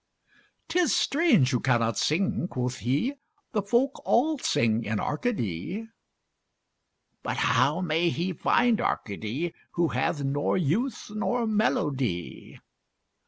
'Tis strange you cannot sing (quoth he), The folk all sing in Arcady. But how may he find Arcady Who hath nor youth nor melody?